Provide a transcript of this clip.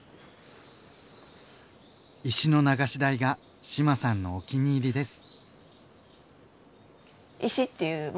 石の流し台が志麻さんのお気に入りです。